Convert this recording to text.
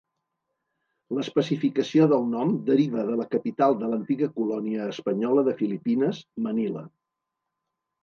L'especificació del nom deriva de la capital de l'antiga colònia espanyola de Filipines, Manila.